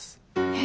え？